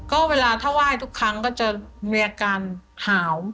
ก็เวลาถ้าไหว้ทุกครั้งก็จะมีอาการหาว